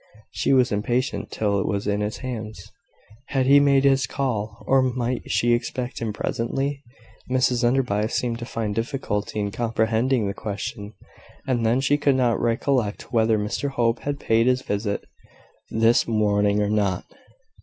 She was impatient till it was in his hands. Had he made his call, or might she expect him presently? Mrs Enderby seemed to find difficulty in comprehending the question; and then she could not recollect whether Mr Hope had paid his visit this morning or not.